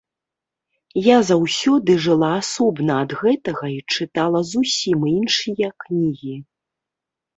Я заўсёды жыла асобна ад гэтага і чытала зусім іншыя кнігі.